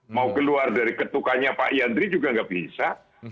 mau keluar dari ketukannya pak yandri juga nggak bisa